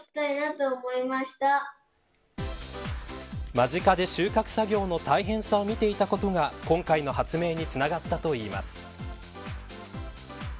間近で収穫作業の大変さを見ていたことが今回の発明につながったといいます。